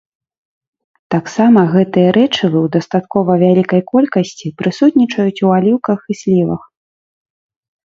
Таксама гэтыя рэчывы ў дастаткова вялікай колькасці прысутнічаюць у аліўках і слівах.